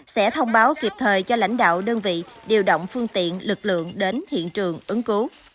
sẽ thông báo kịp thời cho lãnh đạo đơn vị điều động phương tiện lực lượng đến hiện trường ứng cứu